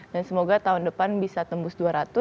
dan semoga tahun depan bisa tembus dua ratus